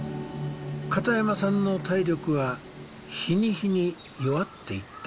片山さんの体力は日に日に弱っていった。